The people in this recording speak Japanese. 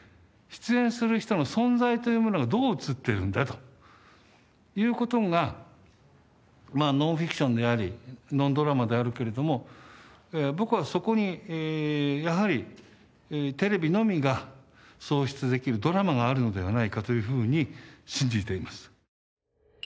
出演する人の存在というものがどう映ってるんだという事がノンフィクションでありノンドラマであるけれども僕はそこにやはりテレビのみが送出できるドラマがあるのではないかというふうに信じています。